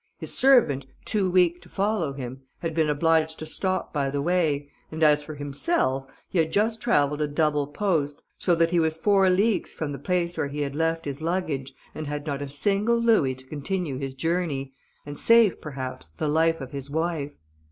His servant, too weak to follow him, had been obliged to stop by the way, and as for himself, he had just travelled a double post, so that he was four leagues from the place where he had left his luggage, and had not a single louis to continue his journey, and save, perhaps, the life of his wife.